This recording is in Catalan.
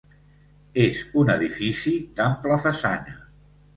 És un edifici d'ampla façana.